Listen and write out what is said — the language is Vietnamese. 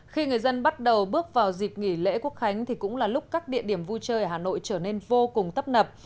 khi người dân bắt đầu bước vào dịp nghỉ lễ quốc khánh thì cũng là lúc các địa điểm vui chơi ở hà nội trở nên vô cùng tấp nập